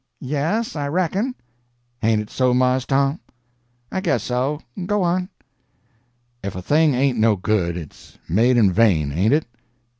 "Yes, I reckon." "Hain't it so, Mars Tom?" "I guess so. Go on." "Ef a thing ain't no good, it's made in vain, ain't it?"